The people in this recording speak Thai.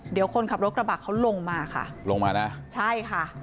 เดี๋ยวคนขับรกระบะเขาลงมาใช่